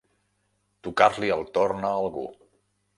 Tocar-li el torn a algú.